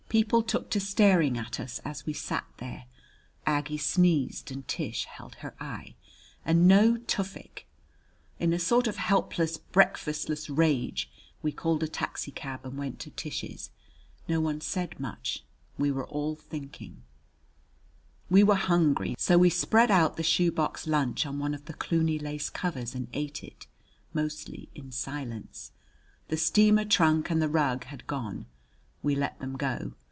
People took to staring at us as we sat there. Aggie sneezed and Tish held her eye. And no Tufik! In a sort of helpless, breakfastless rage we called a taxicab and went to Tish's. No one said much. We were all thinking. We were hungry; so we spread out the shoebox lunch on one of the Cluny lace covers and ate it, mostly in silence. The steamer trunk and the rug had gone. We let them go.